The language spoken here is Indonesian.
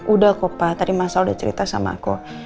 udah kok pa tadi masa udah cerita sama aku